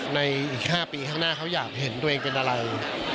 อีก๕ปีข้างหน้าเขาอยากเห็นตัวเองเป็นอะไร